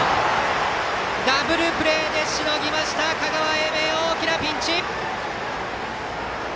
ダブルプレーでしのぎました香川・英明、大きなピンチ。